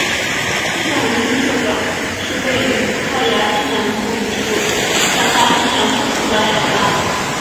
圣维森特角是位于葡萄牙西南部一处向大西洋突出的海岬。